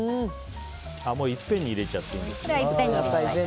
もういっぺんに入れちゃっていいんですね。